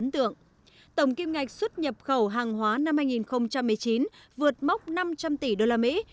tổng kim ngạch xuất nhập khẩu hàng hóa năm hai nghìn một mươi chín vượt mốc năm trăm linh tỷ đô la mỹ